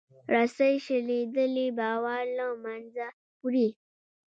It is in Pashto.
رسۍ شلېدلې باور له منځه وړي.